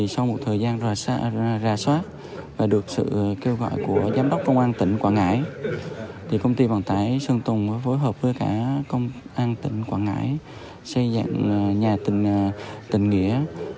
sau một thời gian rà soát và được sự kêu gọi của giám đốc công an tỉnh quảng ngãi công ty vận tải sơn tùng phối hợp với cả công an tỉnh quảng ngãi xây dựng nhà tình nghĩa